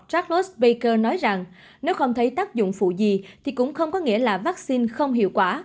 charlos ba nói rằng nếu không thấy tác dụng phụ gì thì cũng không có nghĩa là vaccine không hiệu quả